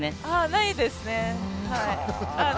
ないですね。